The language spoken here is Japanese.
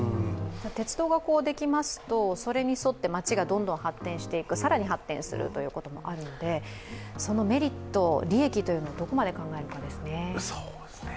鉄道ができますと、それに沿って街がどんどん発展していく、更に発展するということもあるんでそのメリット、利益をどこまで考えるかですね。